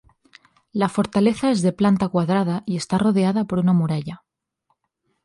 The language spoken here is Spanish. La fortaleza es de planta cuadrada y está rodeada por una muralla.